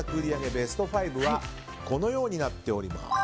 ベスト５はこのようになっております。